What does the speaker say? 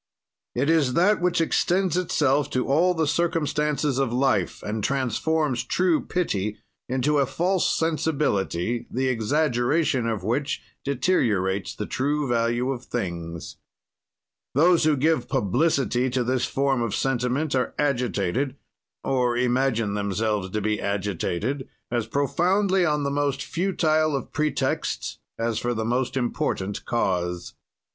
"It is that which extends itself to all the circumstances of life and transforms true pity into a false sensibility, the exaggeration of which deteriorates the true value of things. "Those who give publicity to this form of sentiment are agitated (or imagine themselves to be agitated) as profoundly on the most futile of pretexts as for the most important cause.